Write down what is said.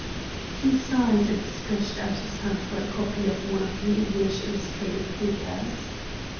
He sighed, and stretched out his hand for a copy of one of the English illustrated papers.